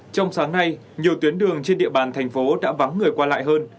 trong sáng nay nhiều tuyến đường trên địa bàn thành phố đã vắng người qua lại hơn